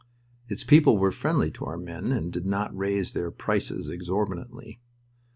Its people were friendly to our men, and did not raise their prices exorbitantly.